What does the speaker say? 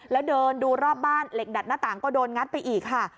แล้วเดินดูรอบบ้านเหล็กดัดหน้าต่างก็โดนงัดไปอีกค่ะ